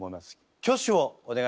挙手をお願いします。